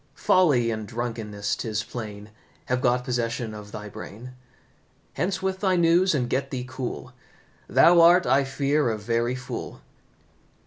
Folly and drunkenness, 'tis plain, Have got possession of thy brain. Hence with thy news, and get thee cool, Thou art, I fear, a very fool!"